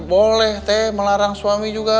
boleh teh melarang suami juga